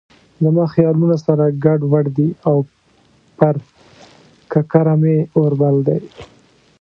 زما خیالونه سره ګډ وډ دي او پر ککره مې اور بل دی.